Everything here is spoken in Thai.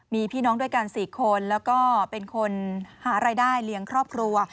มีพี่น้องด้วยกัน๔คนแล้วก็เป็นคนหารายได้เลี้ยงครอบครัว